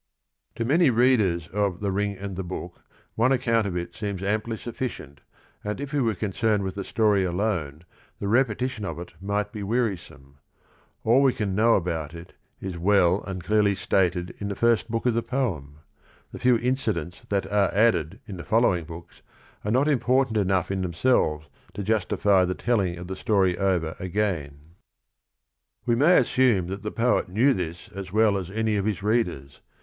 To many readers of The Ring and the Book, one account of it seems amply sufficient, and if we were concerned with the story alone the repeti tion of it might be wearisome. All we can know about it is well and clearly stated in the first book of the poem. The few incidents that are added in the following books are not important enough in themselves to justify the telling of the story over again. METHOD AND THE SPIRIT 25 We may assume that the poet knew this as well as any of his readers.